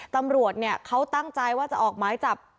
ตำรวจเนี่ยเขาตั้งใจว่าจะออกหมายจับ